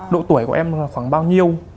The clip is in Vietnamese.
độ tuổi của em là khoảng bao nhiêu